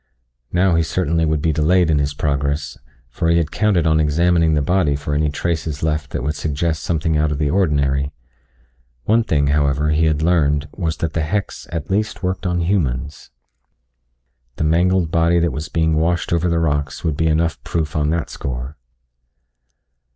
Now he certainly would be delayed in his progress, for he had counted on examining the body for any traces left that would suggest something out of the ordinary. One thing, however, he had learned was that the hex at least worked on humans. The mangled body that was being washed over the rocks would be enough proof on that score.